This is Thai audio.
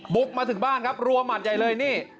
มาถึงบ้านครับรัวหมัดใหญ่เลยนี่